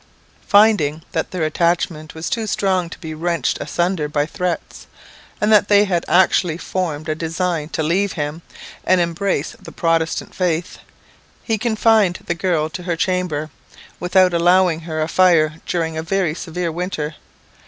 Finding that their attachment was too strong to be wrenched asunder by threats, and that they had actually formed a design to leave him, and embrace the Protestant faith, he confined the girl to her chamber, without allowing her a fire during a very severe winter.